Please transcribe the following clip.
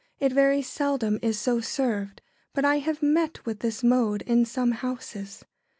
It very seldom is so served, but I have met with this mode in some houses.